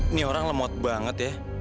ini orang lemot banget ya